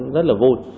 rất là vui